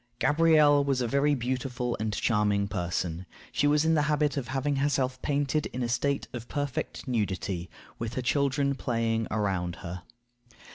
Gabrielle was a very beautiful and charming person. She was in the habit of having herself painted in a state of perfect nudity, with her children playing around her.